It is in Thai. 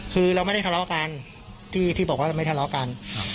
คือเราไม่ได้ทะเลาะกันที่บอกว่าไม่ทะเลาะกัน